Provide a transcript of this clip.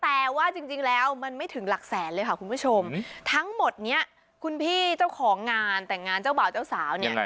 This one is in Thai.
แต่ว่าจริงแล้วมันไม่ถึงหลักแสนเลยค่ะคุณผู้ชมทั้งหมดเนี้ยคุณพี่เจ้าของงานแต่งงานเจ้าบ่าวเจ้าสาวเนี่ย